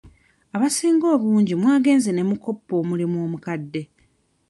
Abasinga obungi mwagenze ne mukoppa omulimu omukadde.